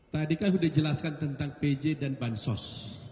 tadi kan sudah jelaskan tentang pj dan bansos